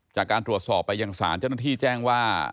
จากการตรวจสอบไปยังศาลเจ้าหน้าที่แจ้งว่า